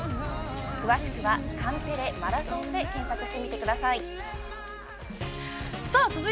詳しくは「カンテレマラソン」で検索してみてください。